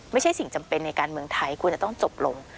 ไม่ใช่สิ่งจำเป็นในการเมืองไทยควรจะต้องจบลง